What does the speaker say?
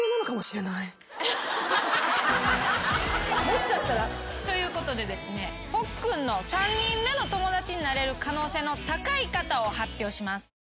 もしかしたら。ということでですねほっくんの３人目の友達になれる可能性の高い方を発表します。